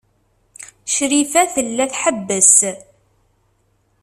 Crifa tella tḥebbes.